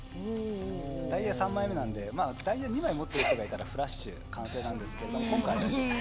ダイヤ３枚目なのでダイヤ２枚持っている人がいたらフラッシュ完成なんですが今回は。